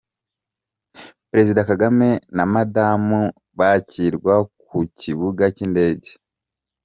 Perezida Kagame na Madamu bakirwa ku kibuga cy’indege.